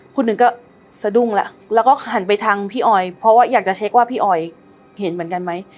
คุณหนึ่งก็สะดุ้งแล้วแล้วก็หันไปทางพี่ออยเพราะว่าอยากจะเช็คว่าพี่ออยเห็นเหมือนกันไหม